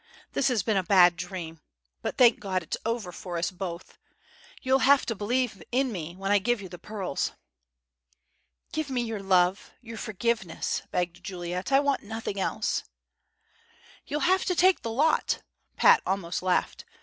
This has been a bad dream. But thank God it's over for us both. You'll have to believe in me when I give you the pearls." "Give me your love your forgiveness," begged Juliet. "I want nothing else." "You'll have to take the lot!" Pat almost laughed.